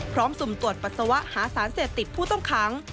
สุ่มตรวจปัสสาวะหาสารเสพติดผู้ต้องขัง